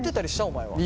お前は。